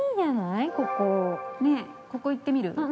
◆ねえ、ここ行ってみる？